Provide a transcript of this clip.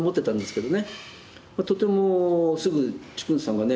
とてもすぐ治勲さんがね